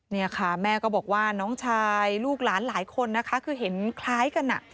เนี่ยค่ะแม่ก็บอกว่าน้องชายลูกหลานหลายคนนะคะคือเห็นคล้ายกันอ่ะ